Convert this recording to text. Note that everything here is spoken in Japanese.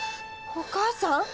お母さん？